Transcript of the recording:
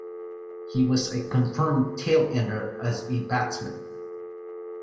He was a confirmed tail-ender as a batsman.